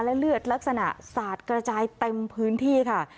และเลือดลักษณะสาดกระจายเต็มพื้นที่ค่ะ